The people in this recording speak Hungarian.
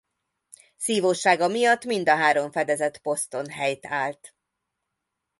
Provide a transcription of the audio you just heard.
Szívóssága miatt mind a három fedezet poszton helyt állt.